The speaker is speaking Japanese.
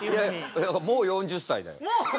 いやもう４０歳だよ。